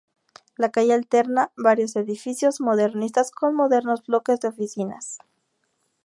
La calle alterna varios edificios modernistas con modernos bloques de oficinas.